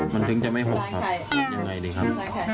มันเพิ่งจะไม่หกครับอย่างไรดีครับ